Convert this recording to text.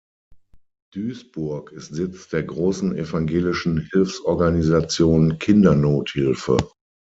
Duisburg ist Sitz der großen evangelischen Hilfsorganisation Kindernothilfe.